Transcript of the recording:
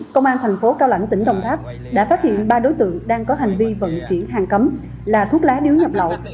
công an thành phố cao lãnh tỉnh đồng tháp đã phát hiện ba đối tượng đang có hành vi vận chuyển hàng cấm là thuốc lá điếu nhập lậu